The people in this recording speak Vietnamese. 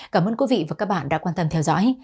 cảm ơn quý vị và các bạn đã quan tâm theo dõi